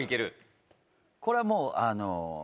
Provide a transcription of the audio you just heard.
これはもうあの。